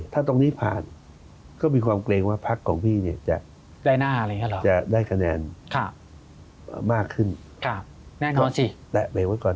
ถ้าตรงนี้ผ่านก็มีความเกรงว่าพักของพี่เนี่ยจะได้คะแนนมากขึ้นแน่นอนสิแตะเบรกไว้ก่อน